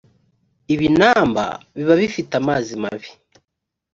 ibinamba biba bifite amazi mabi.